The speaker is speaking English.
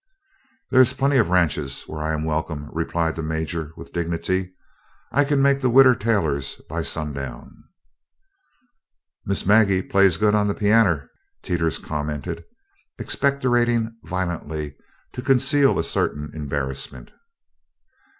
"There is plenty of ranches where I am welcome," replied the Major with dignity. "I kin make the Widder Taylor's by sundown." "Miss Maggie plays good on the pianner," Teeters commented, expectorating violently to conceal a certain embarrassment.